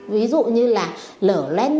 ví dụ như là lở lét miệng